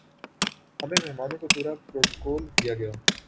ہمیں مہمانوں کا پورا پروٹوکول دیا گیا